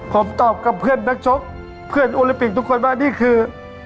ผมตอบกับเพื่อนนักชกเพื่อนโอลิมปิกทุกคนว่านี่คือ